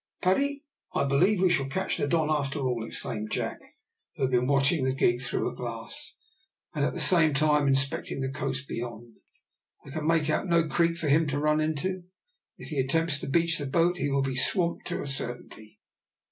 "Paddy, I believe we shall catch the Don after all," exclaimed Jack, who had been watching the gig through a glass, and at the same time inspecting the coast beyond. "I can make out no creek for him to run into, and if he attempts to beach that boat he will be swamped to a certainty."